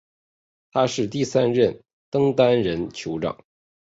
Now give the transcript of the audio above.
他是第三任登丹人酋长。